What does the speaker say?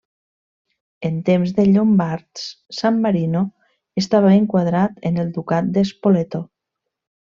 En temps dels llombards, San Marino estava enquadrat en el ducat de Spoleto.